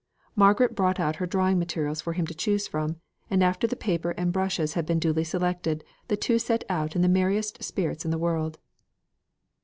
Margaret brought out her drawing materials for him to choose from; and after the paper and brushes had been duly selected, the two set out in the merriest spirits in the world.